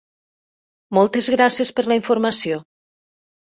Moltes gràcies per la informació.